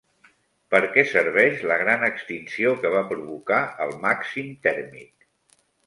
Per què serveix la gran extinció que va provocar el màxim tèrmic?